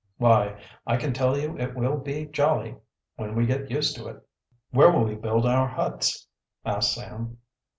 "Why, I can tell you it will be jolly, when we get used to it." "Where will we build our huts?" asked Sam.